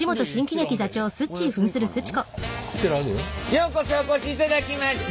ようこそお越しいただきました。